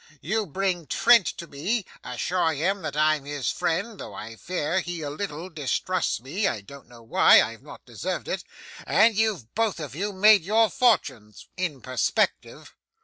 You bring Trent to me; assure him that I'm his friend though I fear he a little distrusts me (I don't know why, I have not deserved it); and you've both of you made your fortunes in perspective.